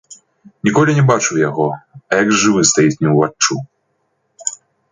Ніколі не бачыў яго, а як жывы стаіць мне ўваччу.